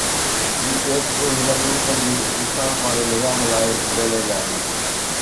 هي case به هن ملڪ جي انصاف واري نظام لاءِ هڪ چئلينج آهي.